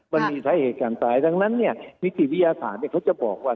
มันมีสาเหตุการตายดังนั้นเนี่ยนิติวิทยาศาสตร์เขาจะบอกว่า